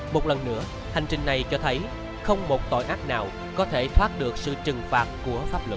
một lần nữa hành trình này cho thấy không một tội ác nào có thể thoát được sự trừng phạt của pháp luật